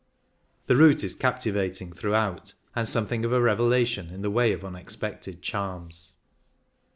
The route is captivating throughout, and something of a revelation in the way of unexpected charms.